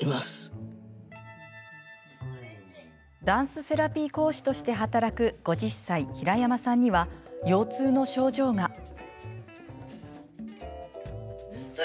ダンスセラピー講師として働く５０歳、平山さんには腰痛の症状が。